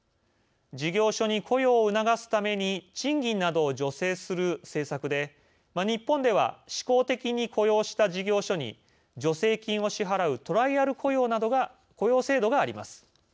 事業所に雇用を促すために賃金などを助成する政策で日本では、試行的に雇用した事業所に助成金を支払うトライアル雇用制度があります。